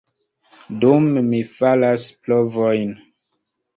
Dume, mi faras provojn.